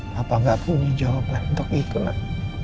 papa gak punya jawabannya untuk itu mak